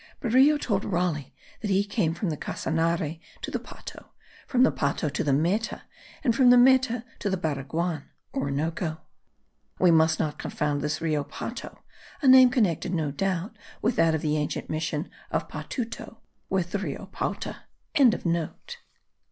Berrio told Raleigh that he came from the Casanare to the Pato, from the Pato to the Meta, and from the Meta to the Baraguan (Orinoco). We must not confound this Rio Pato (a name connected no doubt with that of the ancient mission of Patuto) with the Rio Paute.)